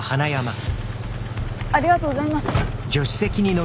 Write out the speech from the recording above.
ありがとうございます。